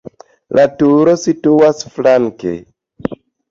La turo situas flanke.